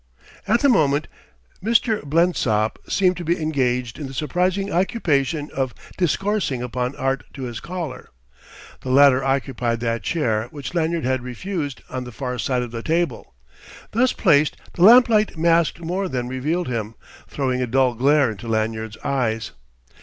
At the moment Mr. Blensop seemed to be engaged in the surprising occupation of discoursing upon art to his caller. The latter occupied that chair which Lanyard had refused, on the far side of the table. Thus placed, the lamplight masked more than revealed him, throwing a dull glare into Lanyard's eyes.